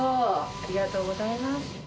ありがとうございます。